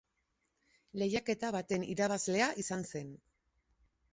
Lehiaketa baten irabazlea izan zen.